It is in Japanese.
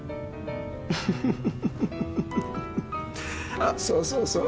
あっそうそうそう。